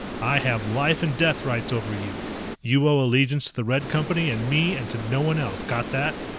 I have life and death rights over you. You owe allegiance to the Red Company and me and to no one else. Got that?